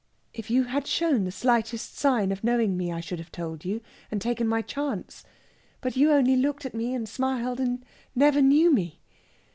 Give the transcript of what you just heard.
"If you had shown the slightest sign of knowing me I should have told you, and taken my chance; but you only looked at me and smiled, and never knew me!